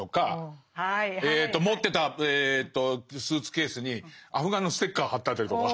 持ってたスーツケースにアフガンのステッカー貼ってあったりとか。